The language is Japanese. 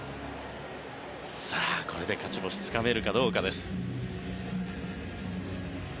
これで勝ち星つかめるかどうかです。